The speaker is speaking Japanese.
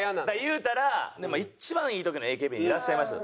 いうたら一番いい時のＡＫＢにいらっしゃいました。